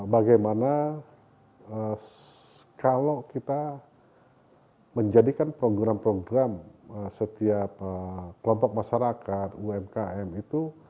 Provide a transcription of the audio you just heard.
bagaimana kalau kita menjadikan program program setiap kelompok masyarakat umkm itu